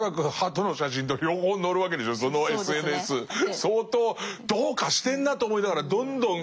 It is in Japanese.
相当どうかしてんなと思いながらどんどん何かを期待しちゃう。